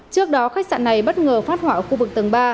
trước đó khách sạn này bất ngờ phát hỏa ở khu vực tầng ba